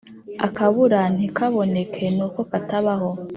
• akabura ntikaboneke nuko katabaho